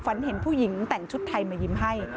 ฝันเห็นผู้หญิงแต่งชุดไทยมายิ้มให้